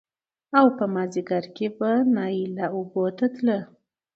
او په مازديګر کې به نايله اوبو ته تله